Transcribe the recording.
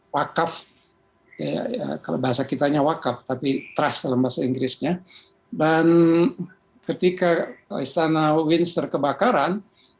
wakaf kalau bahasa kitanya wakaf tapi terasa lemas inggrisnya dan ketika istana winster kebakaran